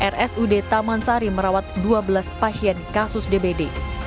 rsud taman sari merawat dua belas pasien kasus dbd